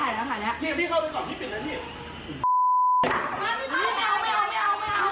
เรายังไม่ทำอะไรเขาเลย